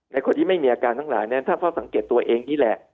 คนที่ไม่มีอาการทั้งหลายนั้นถ้าเฝ้าสังเกตตัวเองนี่แหละ